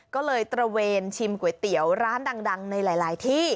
ก็เลยตระเวนชิมก๋วยเตี๋ยวร้านดังในหลายที่